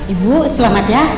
ibu selamat ya